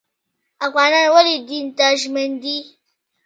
افغانان ولې دین ته ژمن دي؟